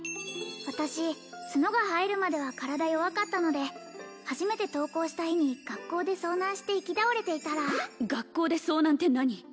私角が生えるまでは体弱かったので初めて登校した日に学校で遭難して行き倒れていたら学校で遭難って何？